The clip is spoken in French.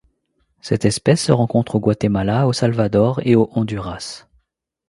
Cette espèce se rencontre au Guatemala, au Salvador et au Honduras.